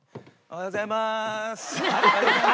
おはようございまーす。